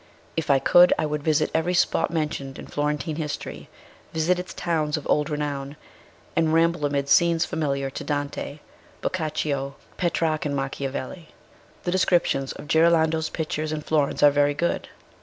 If I could, I would visit every spot mentioned in Florentine history visit its towns of old renown, and ramble amid scenes familiar to Dante, Boccaccio, Petrarch, and Machiavelli." The descriptions of Ghirlandajo's pictures in Flo rence are very good.